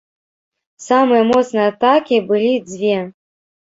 Самыя моцныя атакі былі дзве.